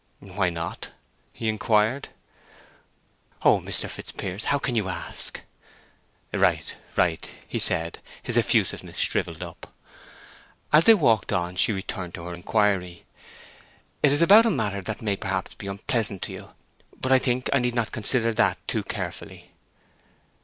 "Why not?" he inquired. "Oh, Mr. Fitzpiers—how can you ask?" "Right, right," said he, his effusiveness shrivelled up. As they walked on she returned to her inquiry. "It is about a matter that may perhaps be unpleasant to you. But I think I need not consider that too carefully."